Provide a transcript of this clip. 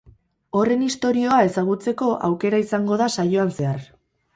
Horren istorioa ezagutzeko aukera izango da saioan zehar.